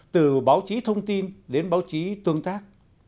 từ báo chí thông tin đến báo chí tương tác